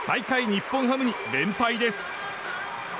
日本ハムに連敗です。